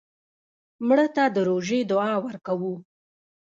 مړه ته د روژې دعا ورکوو